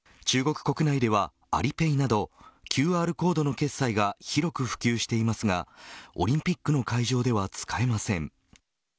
中国国内ではアリペイなどＱＲコードの決済が広く普及していますがオリンピックの会場では使えません。